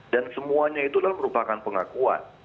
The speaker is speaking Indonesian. dan semuanya itu adalah merupakan pengakuan